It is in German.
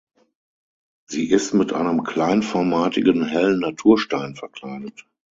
Sie ist mit einem kleinformatigen hellen Naturstein verkleidet.